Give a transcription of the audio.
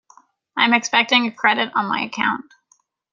I'm expecting a credit on my account.